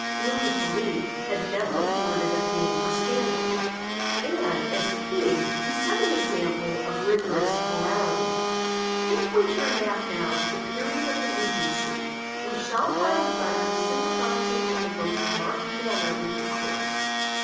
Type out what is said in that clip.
Louis Philippe had never afforded a theme for scandal, and as king he set an example of rigorous morality. If we turn back now to the period of the Regency, we shall find letters sympathizing in the most marked manner with the court.